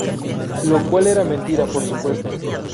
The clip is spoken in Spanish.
Lo cual era mentira, por supuesto.